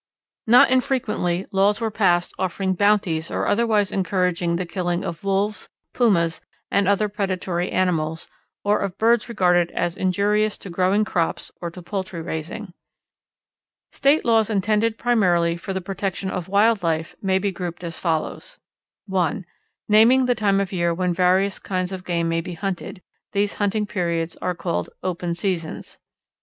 Not infrequently laws were passed offering bounties or otherwise encouraging the killing of wolves, pumas, and other predatory animals, or of birds regarded as injurious to growing crops or to poultry raising. State laws intended primarily for the protection of wild life may be grouped as follows: (1) naming the time of the year when various kinds of game may be hunted; these hunting periods are called "open seasons."